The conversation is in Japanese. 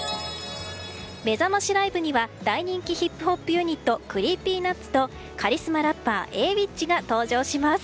めざましライブには大人気ヒップホップユニットＣｒｅｅｐｙＮｕｔｓとカリスマラッパー、Ａｗｉｃｈが登場します。